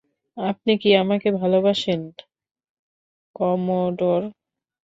আপনি কি আমাকে ভালোবাসেন, কমোডর?